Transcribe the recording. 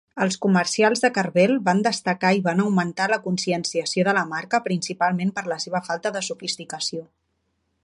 Els comercials de Carvel van destacar i van augmentar la conscienciació de la marca principalment per la seva falta de sofisticació.